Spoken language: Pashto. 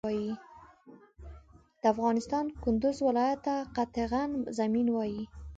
د افغانستان کندوز ولایت ته قطغن زمین وایی